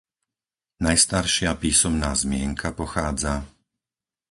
Najstaršia písomná zmienka pochádza